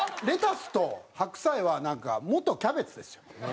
レタスと白菜はなんか元キャベツですよ。